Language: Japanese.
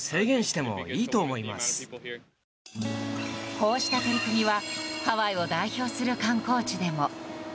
こうした取り組みはハワイを代表する観光地でも。